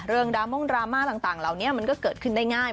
ดรามงดราม่าต่างเหล่านี้มันก็เกิดขึ้นได้ง่าย